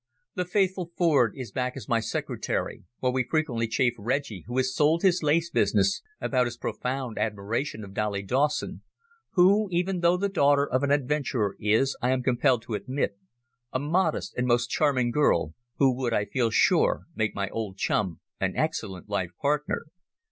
The faithful Ford is back as my secretary, while we frequently chaff Reggie, who has sold his lace business, about his profound admiration of Dolly Dawson, who, even though the daughter of an adventurer, is, I am compelled to admit, a modest and most charming girl, who would, I feel sure, make my old chum an excellent life partner.